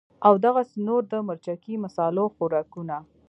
او دغسې نور د مرچکي مصالو خوراکونه